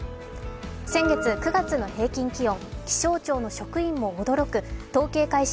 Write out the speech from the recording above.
先月９月の平均気温、気象庁の職員も驚く統計開始